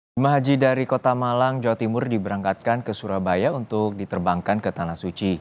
jemaah haji dari kota malang jawa timur diberangkatkan ke surabaya untuk diterbangkan ke tanah suci